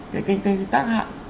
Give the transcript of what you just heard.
cái kinh tế tác hại